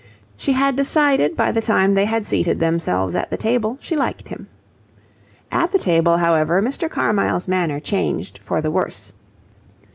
She had decided by the time they had seated themselves at the table she liked him. At the table, however, Mr. Carmyle's manner changed for the worse.